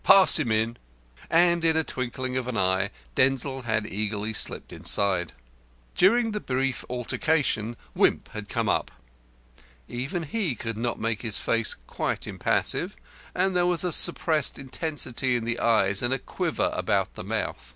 "Pass him in." And in the twinkling of an eye Denzil had eagerly slipped inside. But during the brief altercation Wimp had come up. Even he could not make his face quite impassive, and there was a suppressed intensity in the eyes and a quiver about the mouth.